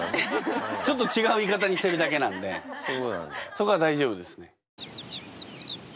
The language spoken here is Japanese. そこは大丈夫ですね。